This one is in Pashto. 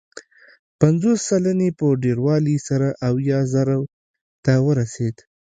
پنځوس سلنې په ډېروالي سره اویا زرو ته ورسېد.